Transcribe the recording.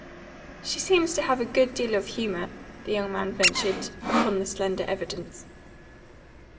"She seems to have a good deal of humour," the young man ventured, upon the slender evidence.